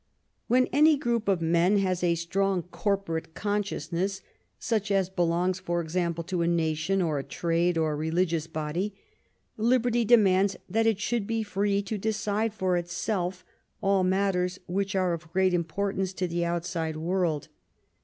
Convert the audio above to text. When any group of men has a strong corporate consciousness such as belongs, for example, to a nation or a trade or a religious body liberty demands that it should be free to decide for itself all matters which are of great importance to the outside world.